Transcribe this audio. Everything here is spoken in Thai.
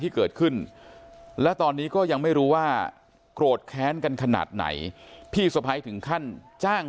ที่เกิดขึ้นและตอนนี้ก็ยังไม่รู้ว่าโกรธแค้นกันขนาดไหนพี่สะพ้ายถึงขั้นจ้าง